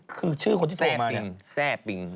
คือชื่อคนที่โทรมาเนี่ยแซ่อบิ้ง